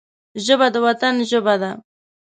ژبه د وطن ژبه ده